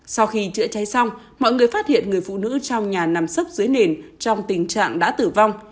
sau khi chữa cháy xong mọi người phát hiện người phụ nữ trong nhà nằm sâu dưới nền trong tình trạng đã tử vong